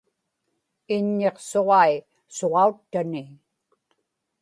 iññiqsuġai suġauttani